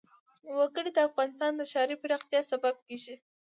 وګړي د افغانستان د ښاري پراختیا سبب کېږي.